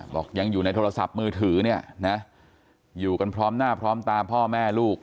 ยังอยู่ในโทรศัพท์มือถือเนี่ยนะอยู่กันพร้อมหน้าพร้อมตาพ่อแม่ลูก